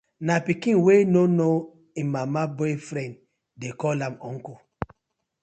Na pikin wey no know im mama boyfriend dey call am uncle.